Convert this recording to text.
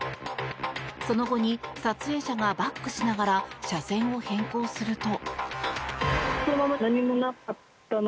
その後、撮影者がバックしながら車線を変更すると。